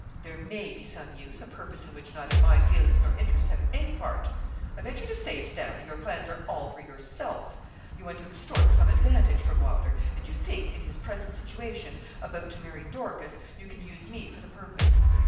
'There may be some use, a purpose in which neither my feelings nor interests have any part. I venture to say, Stanley, your plans are all for yourself. You want to extort some advantage from Wylder; and you think, in his present situation, about to marry Dorcas, you can use me for the purpose.